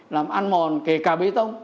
làm ăn mòn kể cả bê tông